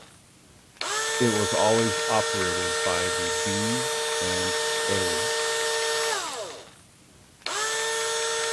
It was always operated by the B and A.